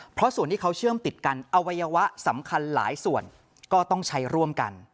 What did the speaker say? เพราะส่วนที่เขาเชื่อมติดกันอวัยวะสำคัญหลายส่วนก็ต้องใช้ร่วมกัน